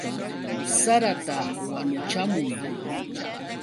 ¡Sarata wanuchamuy!